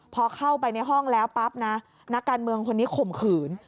พอเข้าไปในห้องแล้วปั๊บนะนักการเมืองคนนี้ข่มขืน